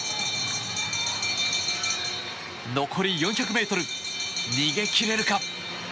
残り４００ｍ逃げ切れるか。